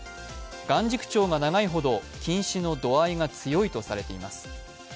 眼軸長が長いほど、近視の度合いが強いとされています。